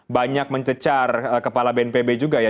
banyak mencecar kepala bnpb juga ya